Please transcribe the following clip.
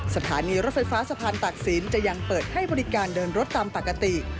สถานีรถไฟฟ้าสะพานตากศิลป์จะยังเปิดให้บริการเดินรถตามปกติ